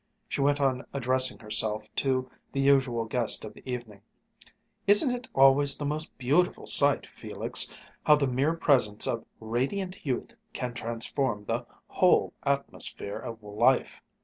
She went on addressing herself to the usual guest of the evening: "Isn't it always the most beautiful sight, Felix, how the mere presence of radiant youth can transform the whole atmosphere of life!"